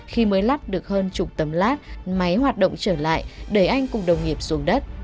khi mới lắp được hơn chục tấm lát máy hoạt động trở lại đẩy anh cùng đồng nghiệp xuống đất